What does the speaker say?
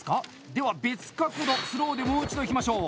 では、別角度スローでもう一度いきましょう！